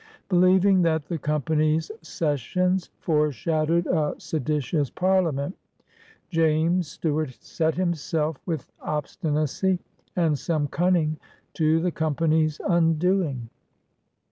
'' Believing that the Company's sessions fore shadowed a ''seditious parliament," James Stuart set himself with obstinacy and some cunning to the Company'^ undoing.